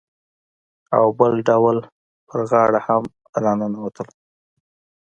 او بل ډول پر غاړه هم راننوتل.